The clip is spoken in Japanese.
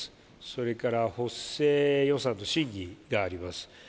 それから補正予算の審議があります